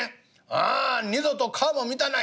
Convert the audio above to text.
ああ二度と顔も見たない！